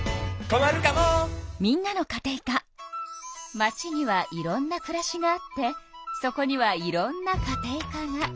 街にはいろんなくらしがあってそこにはいろんなカテイカが。